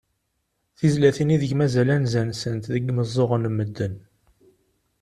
Tizlatin ideg mazal anza-nsent deg yimeẓẓuɣen n medden.